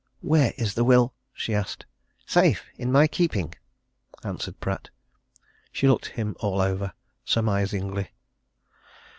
"Where is the will!" she asked. "Safe! In my keeping," answered Pratt. She looked him all over surmisingly.